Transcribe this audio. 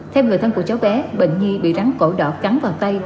theo người thân của cháu bé bệnh nhi bị rắn cổ đỏ cắn vào tay